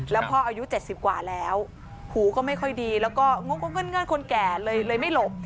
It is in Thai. แล้วพ่ออายุ๗๐กว่าแล้วหูก็ไม่ค่อยดีแล้วก็งงเงินคนแก่เลยไม่หลบ